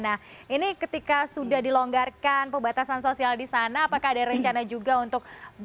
nah ini ketika sudah dilonggarkan pembatasan sosial di sana apakah ada rencana juga untuk